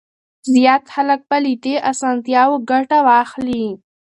زيات خلک به له دې اسانتياوو ګټه واخلي.